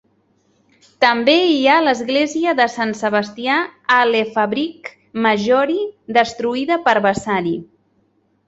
També hi ha l'església de Sant Sebastià "alle Fabbriche Maggiori", destruïda per Vasari.